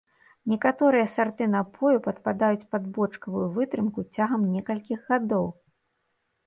Некаторыя сарты напою падпадаюць пад бочкавую вытрымку цягам некалькіх гадоў.